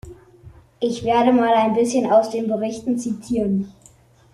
Ich werde mal ein bisschen aus den Berichten zitieren.